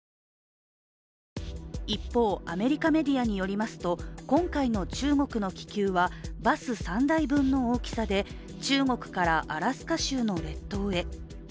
一方、アメリカメディアによりますと、今回の中国の気球はバス３台分の大きさで、中国からアラスカ州の列島へ。